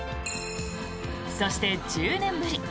そして、１０年ぶり！